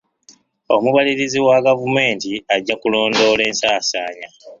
Omubalirizi wa gavumenti ajja kulondoola ensaasaanya.